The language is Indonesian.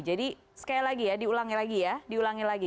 jadi sekali lagi ya diulangi lagi ya diulangi lagi